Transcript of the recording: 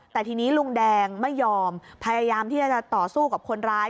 แต่ทีนี้ลุงแดงไม่ยอมพยายามที่จะต่อสู้กับคนร้าย